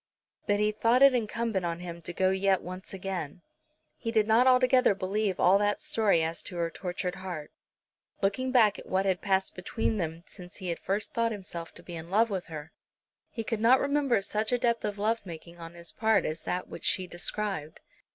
But he thought it incumbent on him to go yet once again. He did not altogether believe all that story as to her tortured heart. Looking back at what had passed between them since he had first thought himself to be in love with her, he could not remember such a depth of love making on his part as that which she described.